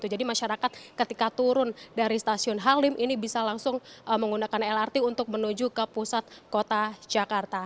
jadi masyarakat ketika turun dari stasiun halim ini bisa langsung menggunakan lrt untuk menuju ke pusat kota jakarta